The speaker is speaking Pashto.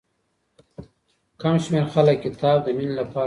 کم شمېر خلک کتاب د مينې لپاره لولي.